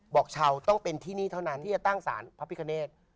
บอกชาวต้องเป็นที่นี่เท่านั้นที่จะตั้งสารพระพิคเนต